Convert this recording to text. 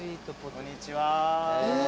こんにちは。